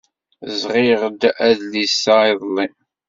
Sɣiɣ-d adlis-a iḍelli.